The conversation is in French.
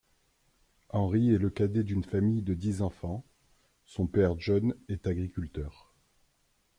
Henry est le cadet d'une famille de dix enfants, son père John est agriculteur.